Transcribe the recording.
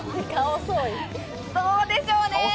どうでしょうね。